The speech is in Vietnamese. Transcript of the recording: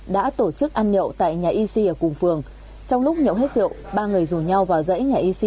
đã tổ chức ăn nhậu tại nhà ysi ở cùng phường trong lúc nhậu hết rượu ba người rủ nhau vào dãy nhà ysi